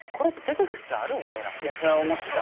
それは思ってた。